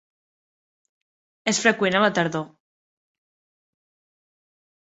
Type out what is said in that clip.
És freqüent a la tardor.